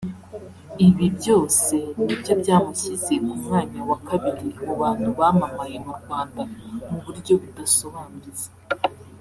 Ibi byose nibyo byamushyize ku mwanya wa kabiri mu bantu bamamaye mu Rwanda muburyo budasobanutse